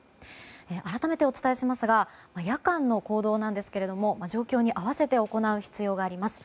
改めてお伝えしますが夜間の行動なんですけど状況に合わせて行う必要があります。